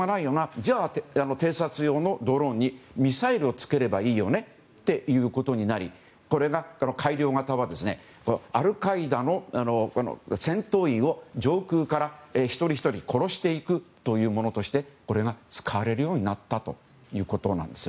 じゃあ、偵察用のドローンにミサイルをつければいいよねっていうことになり改良型はアルカイダの戦闘員を上空から一人ひとり殺していくというものとしてこれが使われるようになったということなんです。